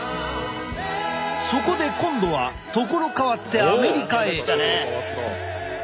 そこで今度は所変わってアメリカへ！